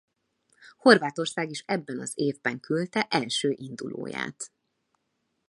Horvátország is ebben az évben küldte első indulóját.